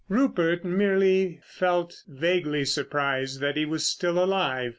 Rupert merely felt vaguely surprised that he was still alive.